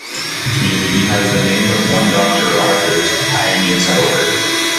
The community has the name of one Doctor Rogers, a pioneer settler.